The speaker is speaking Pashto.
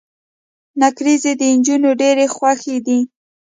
نکریزي د انجونو ډيرې خوښې دي.